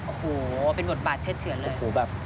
โอ้โหเป็นบทบาทเช็ดเฉือนเลย